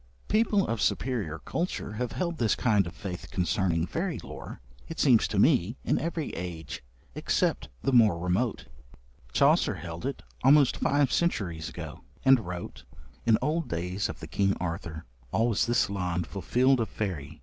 People of superior culture have held this kind of faith concerning fairy lore, it seems to me, in every age, except the more remote. Chaucer held it, almost five centuries ago, and wrote: In olde dayes of the Kyng Arthour, ... Al was this lond fulfilled of fayrie